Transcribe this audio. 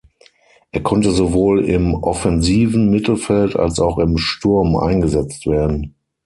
Er konnte sowohl im offensiven Mittelfeld als auch im Sturm eingesetzt werden.